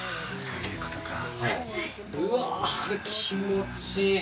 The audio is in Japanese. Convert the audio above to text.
うわー気持ちいい！